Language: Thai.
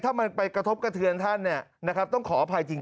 ถ้ามันไปกระทบกระเทือนท่านต้องขออภัยจริง